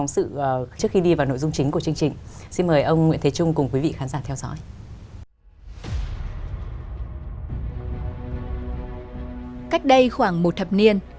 xin chào các bạn